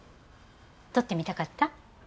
撮ってみたかった？